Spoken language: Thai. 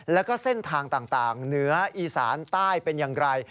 แล้วก็เส้นทางต่างเหนืออีสานใต้เป็นอย่างไร